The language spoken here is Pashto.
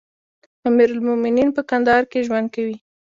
امير المؤمنين په کندهار کې ژوند کوي.